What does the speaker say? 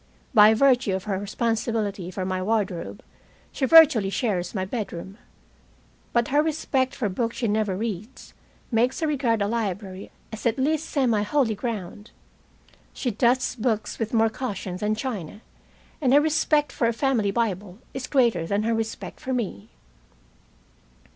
By virtue of her responsibility for my wardrobe, she virtually shares my bedroom, but her respect for books she never reads makes her regard a library as at least semi holy ground. She dusts books with more caution than china, and her respect for a family Bible is greater than her respect for me.